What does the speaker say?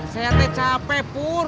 saya teh capek pur